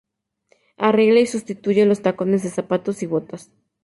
Arregla y sustituye los tacones de zapatos y botas.